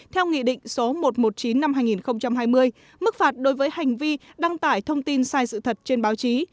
theo nghị định số một trăm một mươi chín năm hai nghìn hai mươi mức phạt đối với hành vi đăng tải thông tin sai sự thật trên báo chí